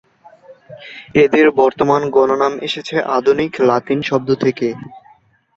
এদের বর্তমান গণ নাম এসেছে আধুনিক লাতিন শব্দ থেকে।